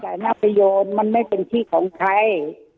แต่หน้าประโยชน์มันไม่เป็นที่ของใคร